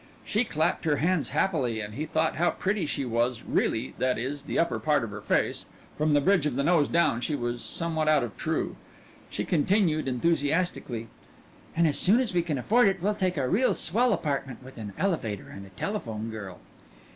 She clapped her hands happily, and he thought how pretty she was really, that is, the upper part of her face from the bridge of the nose down she was somewhat out of true. She continued enthusiastically: "And as soon as we can afford it we'll take a real swell apartment, with an elevator and a telephone girl."